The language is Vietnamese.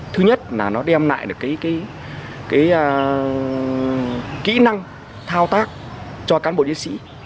thứ nhất là nó đem lại được cái kỹ năng thao tác cho cán bộ diễn sĩ